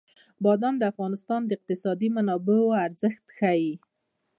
بادام د افغانستان د اقتصادي منابعو ارزښت زیاتوي.